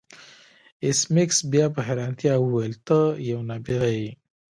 ایس میکس بیا په حیرانتیا وویل ته یو نابغه یې